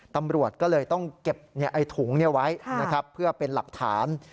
ตำรวจก็เลยต้องเก็บถุงไว้นะครับเพื่อเป็นหลักฐาน